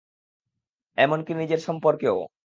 এমনকি, নিজের সম্পর্কেও।